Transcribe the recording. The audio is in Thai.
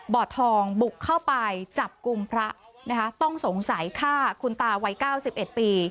บ่อทองบุกเข้าไปจับกุมพระนะฮะต้องสงสัยฆ่าคุณตาวัยเก้าสิบเอ็ดปี